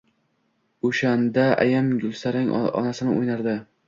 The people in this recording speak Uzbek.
O‘shanda ayam Gulsaraning onasini o‘ynardi.